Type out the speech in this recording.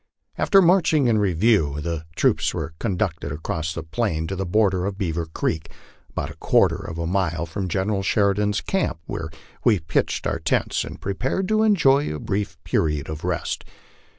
After marching in review, the troops were conducted across the plain to the border of Beaver creek, about a quarter of a mile from General Sheridan's camp, where we pitched our tents and prepared to enjoy a brief period of rest.